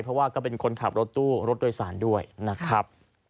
เพราะว่าก็เป็นคนขับรถตู้รถโดยสารด้วยนะครับ